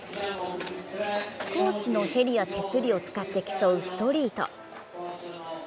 コースのヘリや手すりを使って競うストリート。